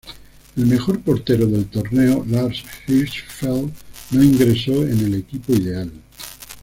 El mejor portero del torneo Lars Hirschfeld no ingresó en el equipo ideal.